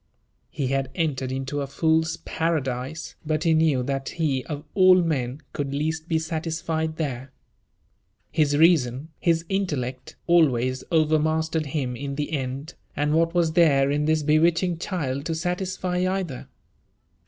He had entered into a fool's paradise, but he knew that he of all men could least be satisfied there. His reason, his intellect, always overmastered him in the end; and what was there in this bewitching child to satisfy either?